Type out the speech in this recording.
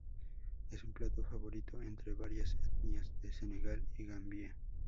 Es un plato favorito entre varias etnias de Senegal y Gambia.